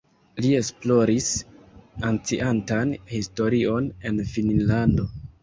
Li esploris anciantan historion de Finnlando.